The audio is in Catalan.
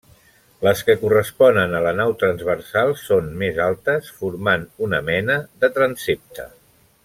Les que corresponen a la nau transversal són més altes, formant una mena de transsepte.